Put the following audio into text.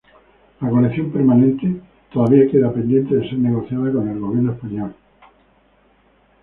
La colección permanente todavía queda pendiente de ser negociada con el Gobierno español.